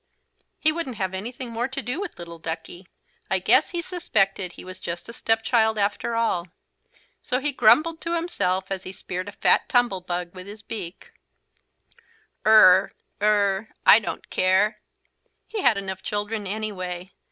He wouldn't have anything more to do with little Duckie. I guess he suspected he was just a step child after all. So he just grumbled to himself as he speared a fat tumble bug with his beak: "Ur, ur I don't care!" He had enough children anyway.